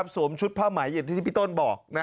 สวมชุดผ้าไหมอย่างที่พี่ต้นบอก